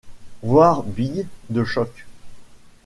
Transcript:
Voir bille de choc.